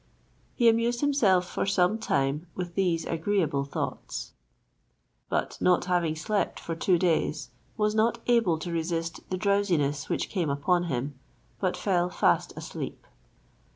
He amused himself for some time with these agreeable thoughts; but not having slept for two days, was not able to resist the drowsiness which came upon him, but fell fast asleep.